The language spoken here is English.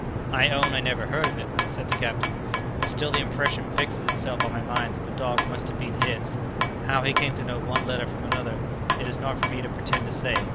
"I own I never heard of it," said the captain; "but still the impression fixes itself on my mind that the dog must have been his; how he came to know one letter from another, it is not for me to pretend to say.